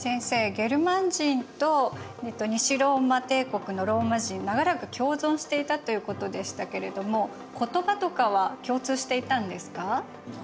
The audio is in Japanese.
ゲルマン人と西ローマ帝国のローマ人長らく共存していたということでしたけれども言葉とかは共通していたんですか？